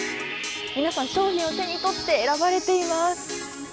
皆さん、商品を手にとって選ばれています。